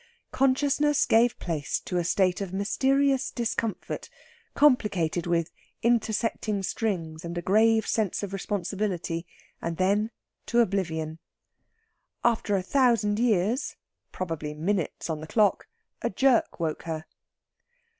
Consciousness gave place to a state of mysterious discomfort, complicated with intersecting strings and a grave sense of responsibility, and then to oblivion. After a few thousand years, probably minutes on the clock, a jerk woke her.